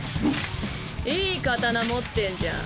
いい刀持ってんじゃん。